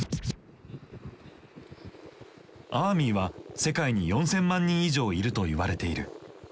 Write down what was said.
アーミーは世界に４，０００万人以上いるといわれている。